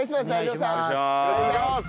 よろしくお願いします。